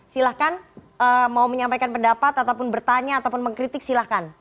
silahkan mau menyampaikan pendapat ataupun bertanya ataupun mengkritik silahkan